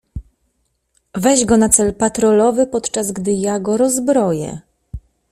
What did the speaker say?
"Weź go na cel, patrolowy, podczas gdy ja go rozbroję."